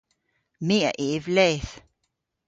My a yv leth.